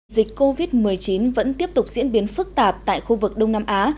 dịch covid một mươi chín vẫn tiếp tục diễn biến phức tạp tại khu vực đông nam á